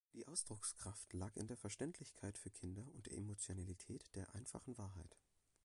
Die Ausdruckskraft lag in der Verständlichkeit für Kinder und der Emotionalität der einfachen Wahrheit.